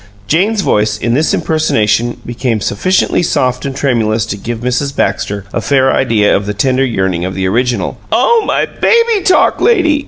Jane's voice, in this impersonation, became sufficiently soft and tremulous to give Mrs. Baxter a fair idea of the tender yearning of the original. "'OH, MY BABY TALK LADY!'"